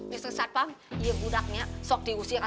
mr satpam iya budaknya sok diusirkan